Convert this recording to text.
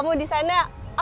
mbak sama ya